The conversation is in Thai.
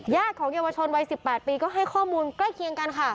ของเยาวชนวัย๑๘ปีก็ให้ข้อมูลใกล้เคียงกันค่ะ